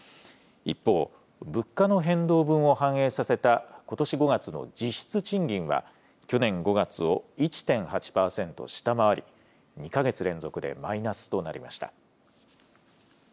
一方、物価の変動分を反映させたことし５月の実質賃金は、去年５月を１．８％下回り、２か月連続でマイナスとなりました。